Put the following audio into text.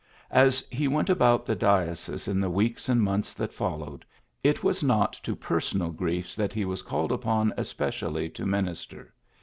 As he went about the diocese in the weeks and months that followed, it was not to personal griefe that he was called upon especially to minister.